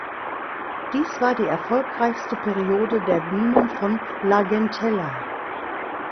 Dies war die erfolgreichste Periode der Minen von L’Argentella.